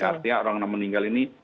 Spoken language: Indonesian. artinya orang yang meninggal ini